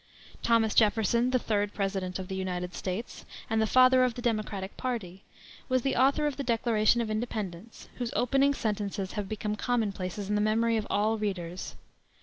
Thomas Jefferson, the third president of the United States, and the father of the Democratic party, was the author of the Declaration of Independence, whose opening sentences have become commonplaces in the memory of all readers.